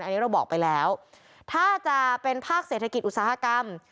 อันนี้เราบอกไปแล้วถ้าจะเป็นภาคเศรษฐกิจอุตสาหกรรม